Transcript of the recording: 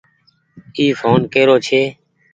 اي ڦون ڪيرو ڇي۔